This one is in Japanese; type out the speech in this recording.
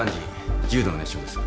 重度の熱傷です。